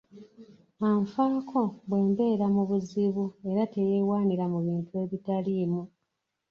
Anfaako bwe mbeera mu buzibu era teyewaanira mu bintu ebitaliimu.